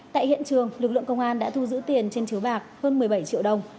tại hiện trường lực lượng công an đã thu giữ tiền trên chiếu bạc hơn một mươi bảy triệu đồng